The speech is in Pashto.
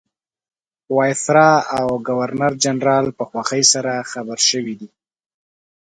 وایسرا او ګورنرجنرال په خوښۍ سره خبر شوي دي.